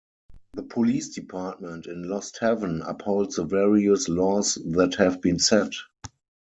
The police department in Lost Heaven uphold the various laws that have been set.